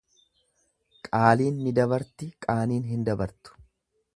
Qaaliin ni dabartii qaaniin hin dabartu.